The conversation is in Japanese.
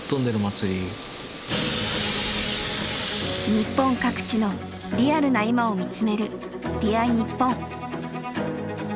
日本各地のリアルな今を見つめる「Ｄｅａｒにっぽん」。